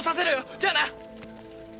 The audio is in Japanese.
じゃあな。